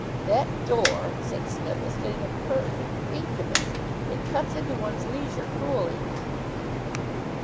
"That door," said Psmith, "is getting a perfect incubus! It cuts into one's leisure cruelly."